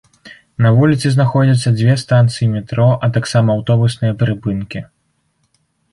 На вуліцы знаходзяцца дзве станцыі метро, а таксама аўтобусныя прыпынкі.